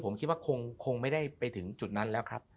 ผมคิดว่าคงไม่ได้ไปถึงจุดนั้นแล้วครับ